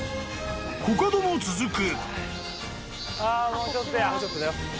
［コカドも続く］